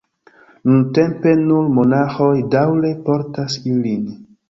Nuntempe nur monaĥoj daŭre portas ilin.